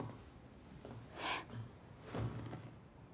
えっ。